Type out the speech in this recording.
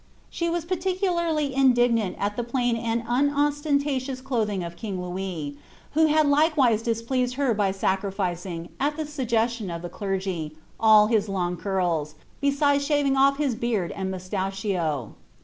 She was particularly indignant at the plain and unostentatious clothing of king Louis, who had likewise displeased her Inr sacrificing, at the suggestion of the dei^, all )\\8 long curls, besides shaving off hiB beard and moustachios.